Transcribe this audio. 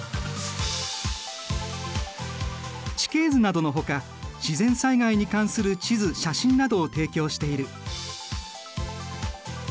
地形図などのほか自然災害に関する地図写真などを提供している。